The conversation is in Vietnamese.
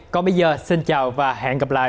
còn bây giờ xin chào và hẹn gặp lại